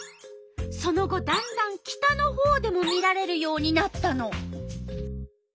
その後だんだん北のほうでも見られるようになったの。